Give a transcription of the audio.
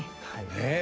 ねえ。